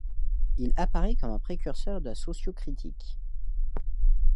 Il apparaît comme un précurseur de la sociocritique.